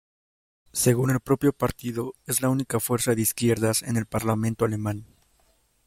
Según el propio partido, es la "única fuerza de izquierdas" en el parlamento alemán.